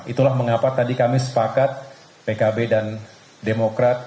itulah mengapa tadi kami sepakat pkb dan demokrat